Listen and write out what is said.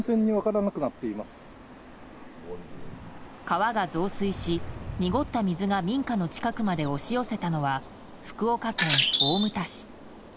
川が増水し濁った水が民家の近くまで押し寄せたのは福岡県大牟田市。